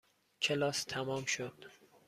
کلاس تمام شد.